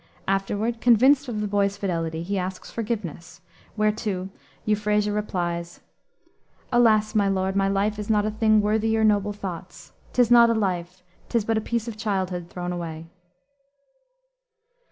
Afterward, convinced of the boy's fidelity, he asks forgiveness, whereto Euphrasia replies, "Alas, my lord, my life is not a thing Worthy your noble thoughts. 'Tis not a life, 'Tis but a piece of childhood thrown away."